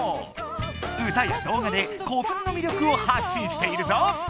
歌やどう画で古墳の魅力をはっ信しているぞ。